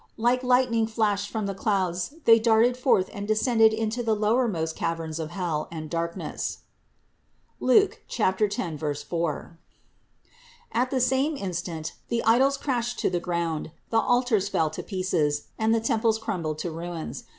Like light ning flashed from the clouds they darted forth and de scended to the lowermost caverns of hell and darkness (Luke 10, 4). At the same instant the idols crashed to the ground, the altars fell to pieces, and the temples crumbled to ruins.